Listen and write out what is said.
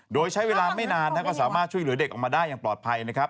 โดยใช้เวลาไม่นานก็สามารถช่วยเหลือเด็กออกมาได้อย่างปลอดภัยนะครับ